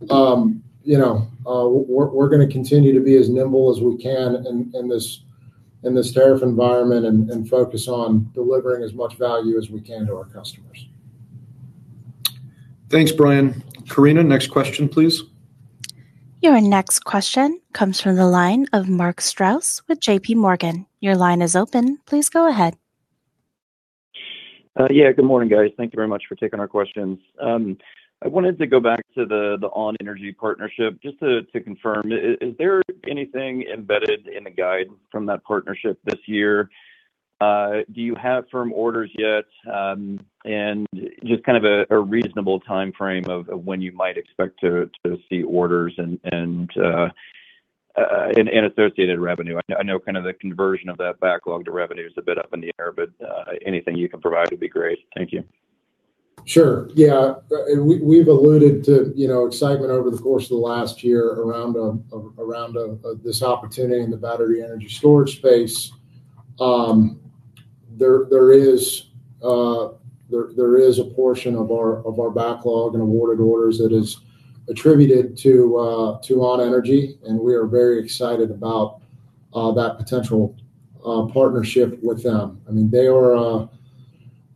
we're going to continue to be as nimble as we can in this tariff environment and focus on delivering as much value as we can to our customers. Thanks, Brian. Karina, next question, please. Your next question comes from the line of Mark Strouse with J.P. Morgan. Your line is open. Please go ahead. Good morning, guys. Thank you very much for taking our questions. I wanted to go back to the ON.energy partnership, just to confirm. Is there anything embedded in the guide from that partnership this year? Do you have firm orders yet? Just kind of a reasonable time frame of when you might expect to see orders and associated revenue. I know kind of the conversion of that backlog to revenue is a bit up in the air, but anything you can provide would be great. Thank you. Sure. we've alluded to excitement over the course of the last year around, um, around, uh, this opportunity in the battery energy storage space. Um, there, there is, uh, there, there is a portion of our, of our backlog and awarded orders that is attributed to, uh, to On Energy, and we are very excited about, uh, that potential, uh, partnership with them. I mean, they are, uh,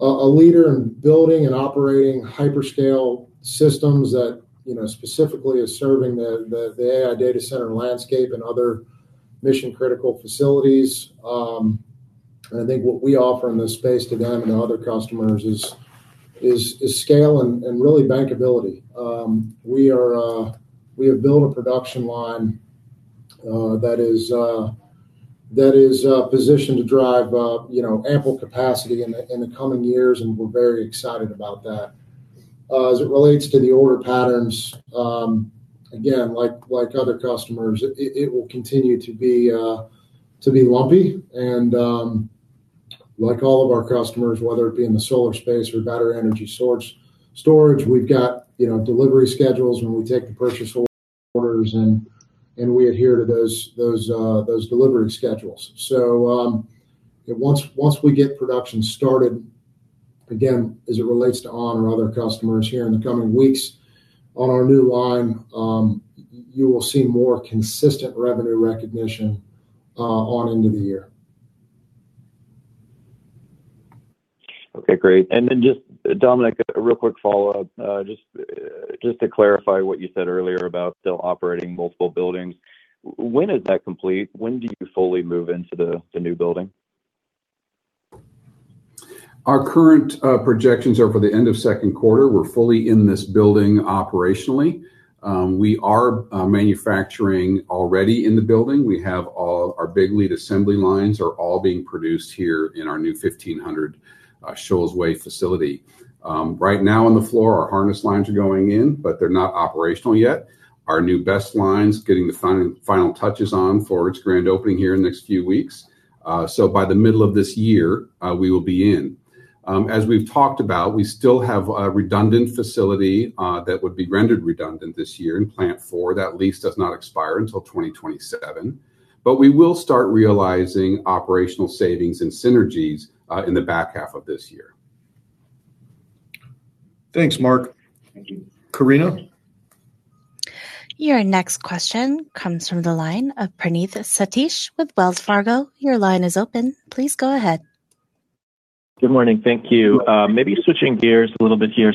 a, a leader in building and operating hyperscale systems that specifically is serving the, the, the AI data center landscape and other mission-critical facilities. Um, and I think what we offer in this space to them and other customers is, is, is scale and, and really bankability. We have built a production line, that is positioned to drive ample capacity in the coming years, and we're very excited about that. As it relates to the order patterns, again, like other customers, it will continue to be lumpy. Like all of our customers, whether it be in the solar space or battery energy storage, we've got delivery schedules, when we take the purchase orders, and we adhere to those delivery schedules. Once we get production started, again, as it relates to ON.energy or other customers here in the coming weeks on our new line, you will see more consistent revenue recognition, on into the year. Okay, great. Then just, Dominic, a real quick follow-up just to clarify what you said earlier about still operating multiple buildings. When is that complete? When do you fully move into the new building? Our current projections are for the end of Q2. We're fully in this building operationally. We are manufacturing already in the building. Our Big Lead Assembly lines are all being produced here in our new 1,500 Shoals Way facility. Right now on the floor, our harness lines are going in, but they're not operational yet. Our new best lines getting the final touches on for its grand opening here in the next few weeks. So by the middle of this year, we will be in. As we've talked about, we still have a redundant facility that would be rendered redundant this year in Plant Four. That lease does not expire until 2027, but we will start realizing operational savings and synergies in the back half of this year. Thanks, Mark. Thank you. Karina? Your next question comes from the line of Praneeth Satish with Wells Fargo. Your line is open. Please go ahead. Good morning. Thank you. Good morning. Maybe switching gears a little bit here.,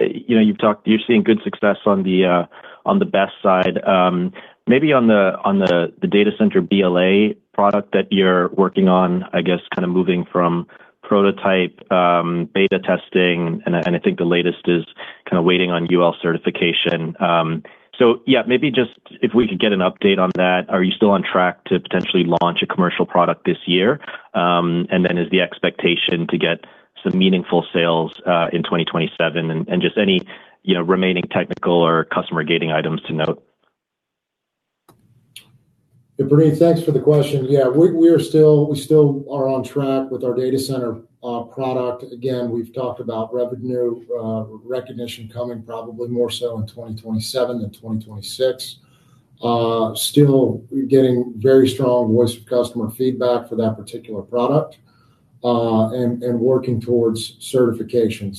you've talked, you're seeing good success on the BESS side. Maybe on the data center BLA product that you're working on, I guess kind of moving from prototype, beta testing, and I think the latest is kind of waiting on UL certification. Yeah, maybe just if we could get an update on that. Are you still on track to potentially launch a commercial product this year? Is the expectation to get some meaningful sales in 2027? And just any remaining technical or customer gating items to note. Praneeth, thanks for the question. We still are on track with our data center product. Again, we've talked about revenue recognition coming probably more so in 2027 than 2026. Still getting very strong voice of customer feedback for that particular product. Working towards certification.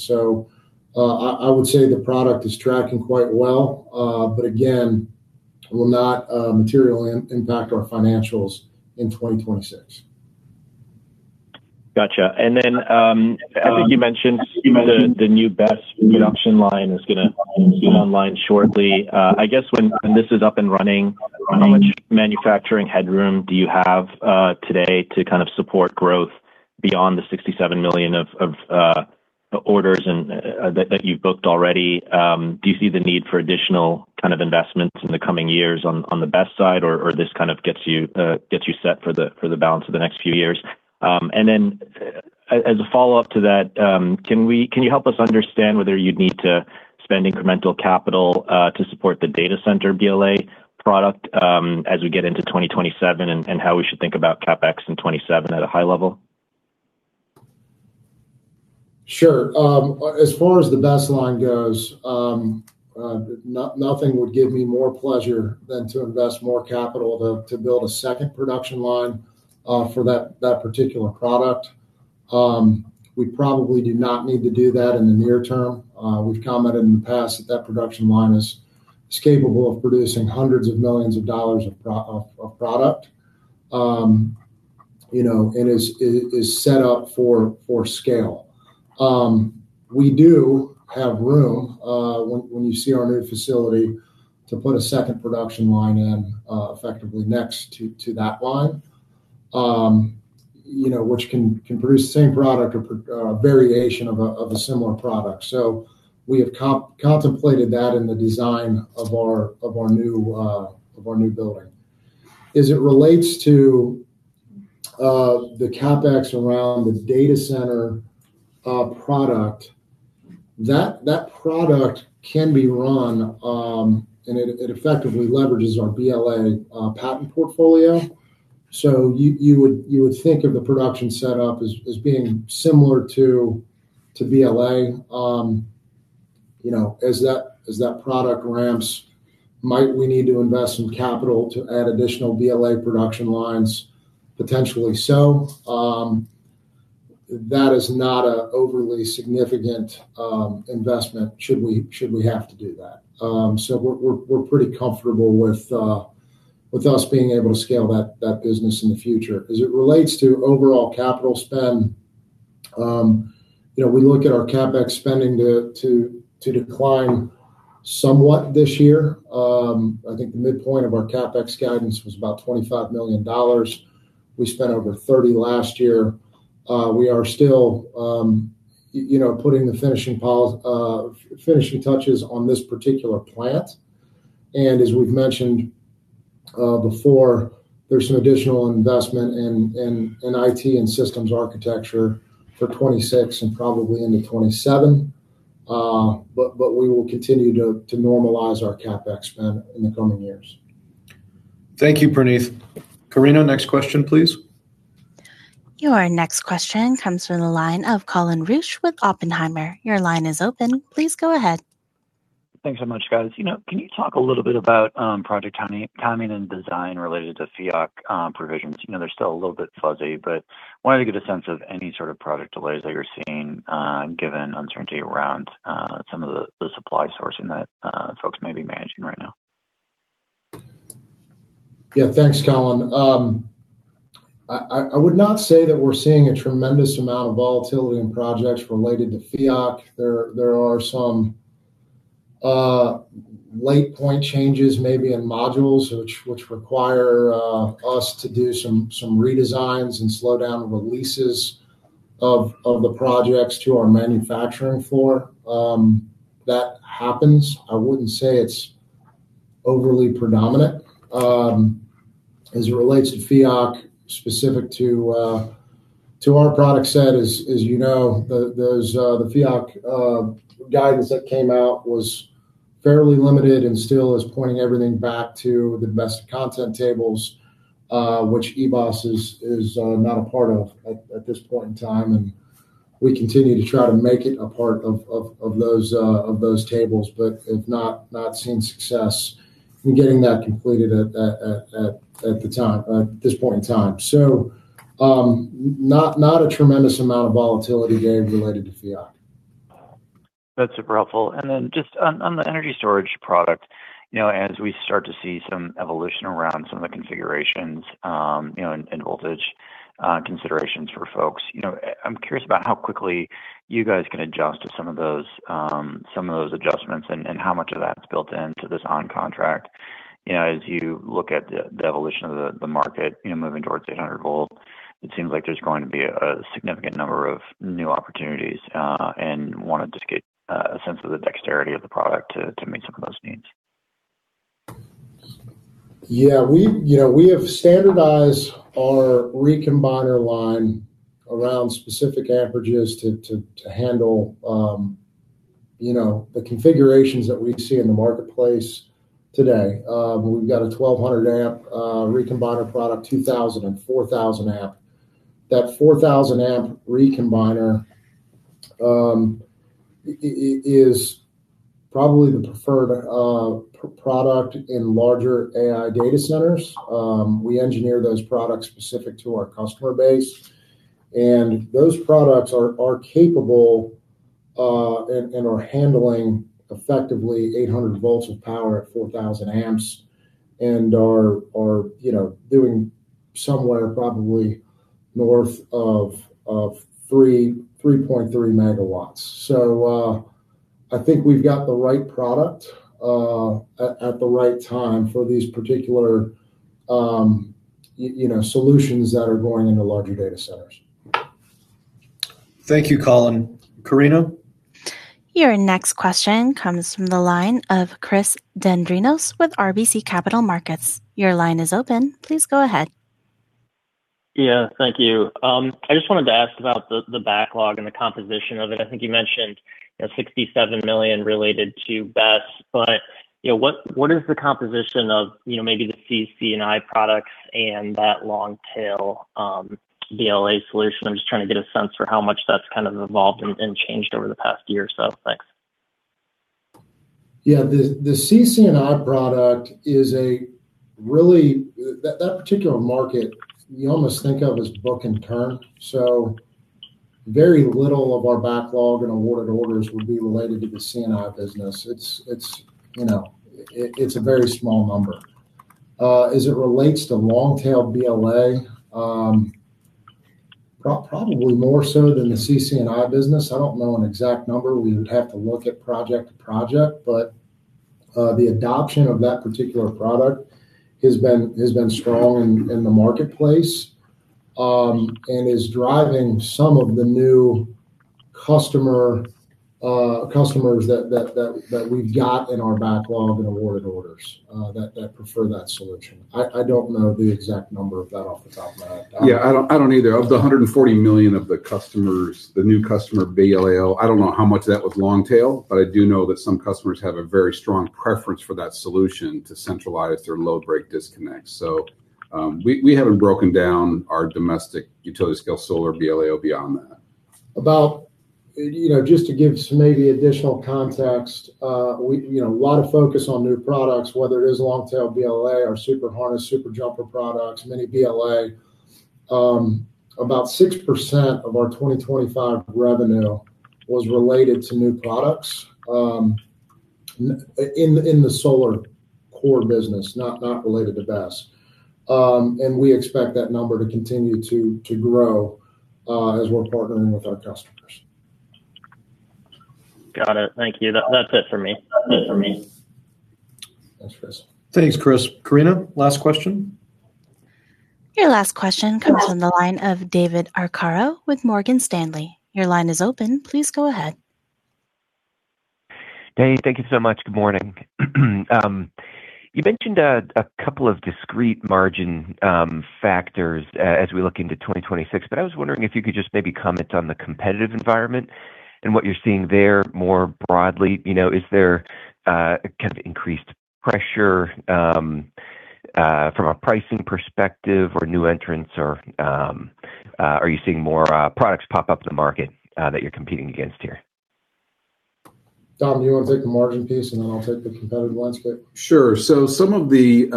I would say the product is tracking quite well, but again, it will not materially impact our financials in 2026. Gotcha. Then, I think you mentioned the new BESS production line is going to be online shortly. I guess when this is up and running, how much manufacturing headroom do you have today to kind of support growth beyond the $67 million of orders and that you've booked already? Do you see the need for additional kind of investments in the coming years on the BESS side, or this kind of gets you set for the balance of the next few years? Then as a follow-up to that, can you help us understand whether you'd need to spend incremental capital to support the data center BLA product, as we get into 2027, and how we should think about CapEx in 2027 at a high level? Sure. As far as the BESS line goes, nothing would give me more pleasure than to invest more capital to build a second production line for that particular product. We probably do not need to do that in the near term. We've commented in the past that production line is capable of producing hundreds of millions of dollars of product., and it is set up for scale. We do have room, when you see our new facility, to put a second production line in effectively next to that line., which can produce the same product or variation of a similar product. We have contemplated that in the design of our new building. As it relates to the CapEx around the data center product, that product can be run, and it effectively leverages our BLA patent portfolio. You would think of the production setup as being similar to BLA as that product ramps, might we need to invest some capital to add additional BLA production lines? Potentially so. That is not an overly significant investment, should we have to do that. We're pretty comfortable with us being able to scale that business in the future. As it relates to overall capital spend we look at our CapEx spending to decline somewhat this year. I think the midpoint of our CapEx guidance was about $25 million. We spent over $30 last year. We are still putting the finishing touches on this particular plant. As we've mentioned, before, there's some additional investment in IT and systems architecture for 2026 and probably into 2027. We will continue to normalize our CapEx spend in the coming years. Thank you, Praneeth. Karina, next question, please. Your next question comes from the line of Colin Rusch with Oppenheimer. Your line is open. Please go ahead. Thanks so much, guys. can you talk a little bit about project timing and design related to FEOC provisions?, they're still a little bit fuzzy, but wanted to get a sense of any sort of product delays that you're seeing given uncertainty around some of the supply sourcing that folks may be managing right now. Thanks, Colin. I would not say that we're seeing a tremendous amount of volatility in projects related to FEOC. There are some late point changes maybe in modules, which require us to do some redesigns and slow down releases of the projects to our manufacturing floor. That happens. I wouldn't say it's overly predominant. As it relates to FEOC, specific to our product set, as, the FEOC guidance that came out was fairly limited and still is pointing everything back to the best content tables, which eBOS is not a part of at this point in time, and we continue to try to make it a part of those tables, but have not seen success in getting that completed at this point in time. Not a tremendous amount of volatility there related to FEOC. That's super helpful. Just on the energy storage product as we start to see some evolution around some of the configurations and voltage considerations for folks I'm curious about how quickly you guys can adjust to some of those, some of those adjustments and how much of that's built into this on contract., as you look at the evolution of the market moving towards 800 volt, it seems like there's going to be a significant number of new opportunities, and wanted just to get a sense of the dexterity of the product to meet some of those needs. We have standardized our recombiner line around specific amperages to handle the configurations that we see in the marketplace today. We've got a 1,200 amp recombiner product, 2,000 and 4,000 amp. That 4,000 amp recombiner is probably the preferred product in larger AI data centers. We engineer those products specific to our customer base, and those products are capable and are handling effectively 800 volts of power at 4,000 amps and are doing somewhere probably north of 3.3 megawatts. I think we've got the right product at the right time for these particular solutions that are going into larger data centers. Thank you, Colin. Karina? Your next question comes from the line of Chris Dendrinos with RBC Capital Markets. Your line is open. Please go ahead. Thank you. I just wanted to ask about the backlog and the composition of it. I think you mentioned $67 million related to BESS, but what is the composition of maybe the CC&I products and that Long Tail BLA solution? I'm just trying to get a sense for how much that's kind of evolved and changed over the past year or so. Thanks. The CC&I product. That particular market you almost think of as book-and-turn. Very little of our backlog and awarded orders would be related to the C&I business. It is a very small number. As it relates to long-tail BLA, probably more so than the CC&I business, I don't know an exact number. We would have to look at project to project. The adoption of that particular product has been strong in the marketplace and is driving some of the new customers that we've got in our backlog and awarded orders that prefer that solution. I don't know the exact number of that off the top of my head. Yeah, I don't, I don't either. Of the $140 million of the customers, the new customer BLAO, I don't know how much of that was long tail, but I do know that some customers have a very strong preference for that solution to centralize their load break disconnect. We haven't broken down our domestic utility-scale solar BLAO beyond that. About just to give some maybe additional context., a lot of focus on new products, whether it is Long Tail BLA, our Super Harness, SuperJumper products, mini BLA. About 6% of our 2025 revenue was related to new products, in the solar core business, not related to BESS. We expect that number to continue to grow, as we're partnering with our customers. Got it. Thank you. That's it for me. Thanks, Chris. Thanks, Chris. Karina, last question? Your last question comes from the line of David Arcaro with Morgan Stanley. Your line is open. Please go ahead. David, thank you so much. Good morning. You mentioned a couple of discrete margin factors as we look into 2026, but I was wondering if you could just maybe comment on the competitive environment and what you're seeing there more broadly., is there kind of increased pressure from a pricing perspective or new entrants, or are you seeing more products pop up to the market that you're competing against here? Tom, do you want to take the margin piece, and then I'll take the competitive landscape? Sure. Some of the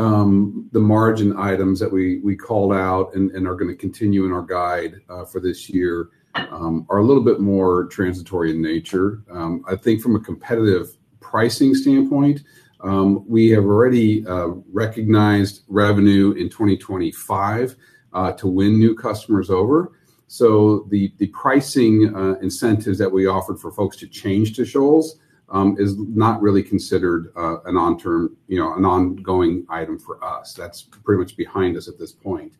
margin items that we called out and are going to continue in our guide for this year are a little bit more transitory in nature. I think from a competitive pricing standpoint, we have already recognized revenue in 2025 to win new customers over. The pricing incentives that we offered for folks to change to Shoals is not really considered an ongoing item for us. That's pretty much behind us at this point.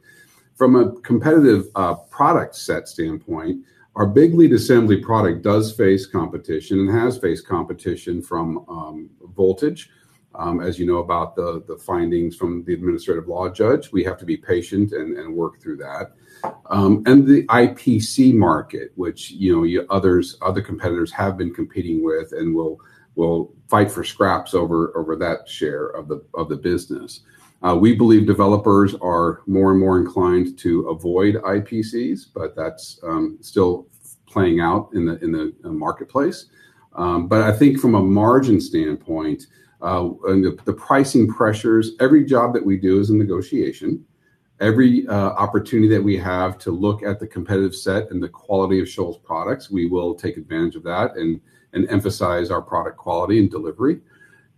From a competitive product set standpoint, our Big Lead Assembly product does face competition and has faced competition from Voltage. As about the findings from the administrative law judge, we have to be patient and work through that. The IPC market, which other competitors have been competing with and will fight for scraps over that share of the business. We believe developers are more and more inclined to avoid IPCs, that's still playing out in the marketplace. I think from a margin standpoint, and the pricing pressures, every job that we do is a negotiation. Every opportunity that we have to look at the competitive set and the quality of Shoals products, we will take advantage of that and emphasize our product quality and delivery.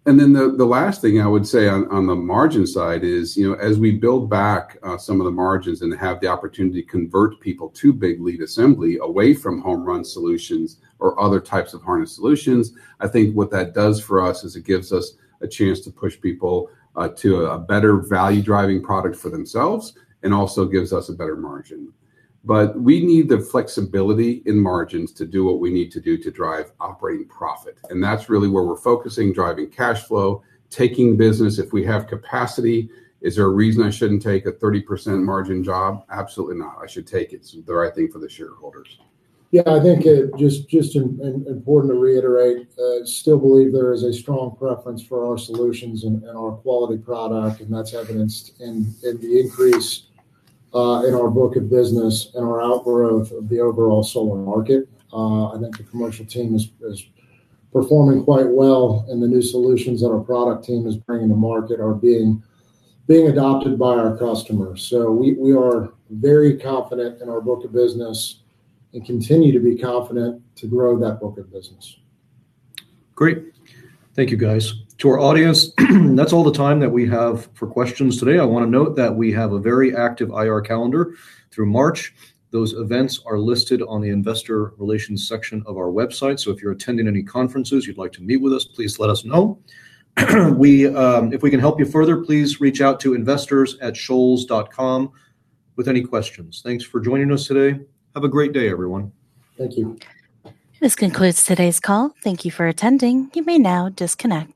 The last thing I would say on the margin side is as we build back some of the margins and have the opportunity to convert people to Big Lead Assembly away from home run solutions or other types of harness solutions, I think what that does for us is it gives us a chance to push people to a better value-driving product for themselves and also gives us a better margin. We need the flexibility in margins to do what we need to do to drive operating profit, and that's really where we're focusing, driving cash flow, taking business. If we have capacity, is there a reason I shouldn't take a 30% margin job? Absolutely not. I should take it. It's the right thing for the shareholders. It’s important to reiterate, I still believe there is a strong preference for our solutions and our quality product, and that's evidenced in the increase in our book of business and our growth relative to the overall solar market. I think the commercial team is performing quite well, and the new solutions that our product team is bringing to market are being adopted by our customers. We are very confident in our book of business and continue to be confident to grow that book of business. Great. Thank you, guys. To our audience, that's all the time that we have for questions today. I want to note that we have a very active IR calendar through March. Those events are listed on the investor relations section of our website, so if you're attending any conferences, you'd like to meet with us, please let us know. If we can help you further, please reach out to investors@shoals.com with any questions. Thanks for joining us today. Have a great day, everyone. Thank you. This concludes today's call. Thank you for attending. You may now disconnect.